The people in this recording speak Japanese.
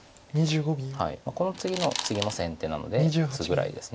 この次のツギも先手なのでツグぐらいです。